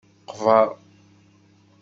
Qbeṛ.